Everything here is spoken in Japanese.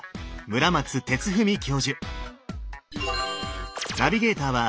村松哲文教授。